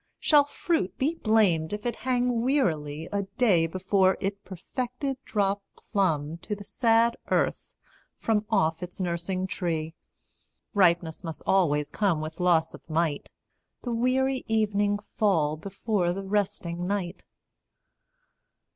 Shall fruit be blamed if it hang wearily A day before it perfected drop plumb To the sad earth from off its nursing tree? Ripeness must always come with loss of might. The weary evening fall before the resting night.